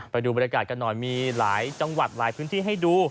ไปดูบรรยากาศกันหน่อยมีหลายจังหวัดหลายพื้นที่ให้ดู